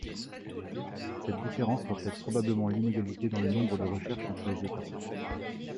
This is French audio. Cette différence reflète probablement l'inégalité dans le nombre de recherches entre les États.